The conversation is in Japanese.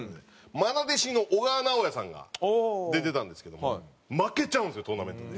愛弟子の小川直也さんが出てたんですけども負けちゃうんですよトーナメントで。